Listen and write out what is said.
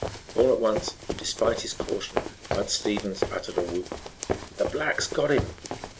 All at once, despite his caution, Bud Stevens uttered a whoop. "The black's got him!"